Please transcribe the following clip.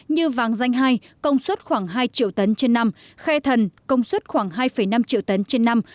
như vàng danh hai công suất khoảng hai triệu tấn trên năm khe thần công suất khoảng hai năm triệu tấn trên năm